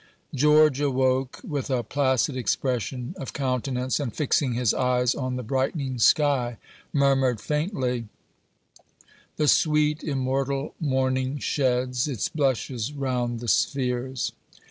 George awoke with a placid expression of countenance, and fixing his eyes on the brightening sky, murmured faintly, "The sweet, immortal morning sheds Its blushes round the spheres."